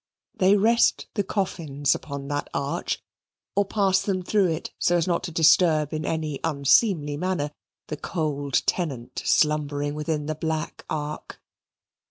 They rest the coffins upon that arch, or pass them through it so as not to disturb in any unseemly manner the cold tenant slumbering within the black ark.